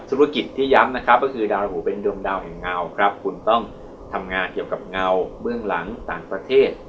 ธุรกิจที่ย้ำนะครับก็คือดาวราหูเป็นดวงดาวแห่งเงาครับคุณต้องทำงานเกี่ยวกับเงาเบื้องหลังต่างประเทศ